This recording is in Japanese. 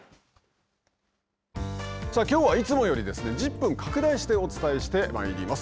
きょうはいつもより１０分拡大してお伝えしてまいります。